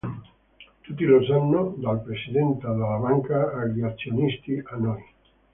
Tutti lo sanno, dal presidente della banca agli azionisti, a noi.